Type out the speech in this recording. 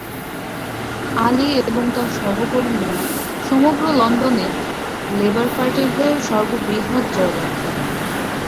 আলী এবং তার সহকর্মীরা সমগ্র লন্ডনে লেবার পার্টির হয়ে সর্ববৃহৎ জয়লাভ করেন।